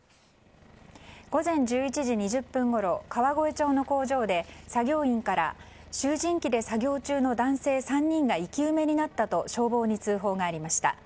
午前１１時２０分ごろ川越町の工場で作業員から集じん機で作業中の男性３人が生き埋めになったと消防に通報がありました。